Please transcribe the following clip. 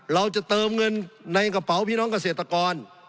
เราจะเติมเงินในกระเป๋าพี่น้องเกษตรกร